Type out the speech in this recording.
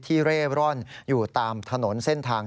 เร่ร่อนอยู่ตามถนนเส้นทาง